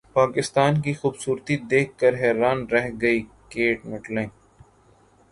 پاکستان کی خوبصورتی دیکھ کر حیران رہ گئی کیٹ مڈلٹن